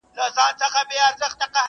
د قاضي مخ ته ولاړ وو لاس تړلى.!